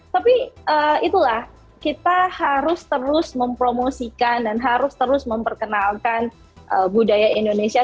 tapi itulah kita harus terus mempromosikan dan harus terus memperkenalkan budaya indonesia